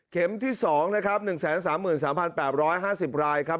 ที่๒นะครับ๑๓๓๘๕๐รายครับ